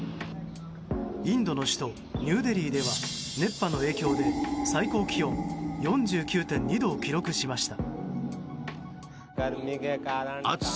インドの首都ニューデリーでは熱波の影響で最高気温４９．２度を記録しました。